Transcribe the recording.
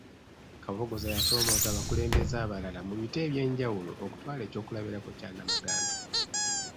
Kabogoza yasoomooza abakulembeze abalala mu biti eby'enjawulo okutwala ekyokulabirako kya Namaganda.